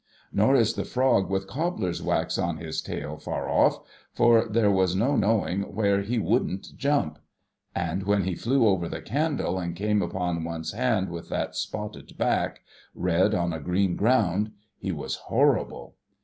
Nor is the frog with cobbler's wax on his tail, far off; for there was no knowing where he wouldn't jump ; and when he tlew over the candle, and came upon one's hand with that spotted back — red on a green ground — he was horrible.